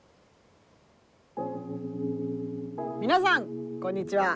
皆さんこんにちは。